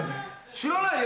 知らないよ。